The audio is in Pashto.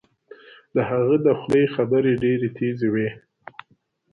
د هغه د خولې خبرې ډیرې تېزې وې